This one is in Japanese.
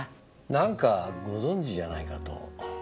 何かご存知じゃないかと。